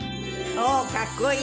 おおーかっこいい。